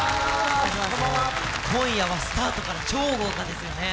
今夜はスタートから超豪華ですよね。